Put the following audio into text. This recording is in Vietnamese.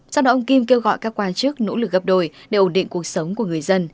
sau đó ông kim kêu gọi các quan chức nỗ lực gấp đổi để ổn định cuộc sống của người dân